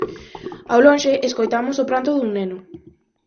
Ao lonxe escoitamos o pranto dun neno.